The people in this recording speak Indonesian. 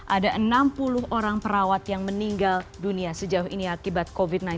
ada enam puluh orang perawat yang meninggal dunia sejauh ini akibat covid sembilan belas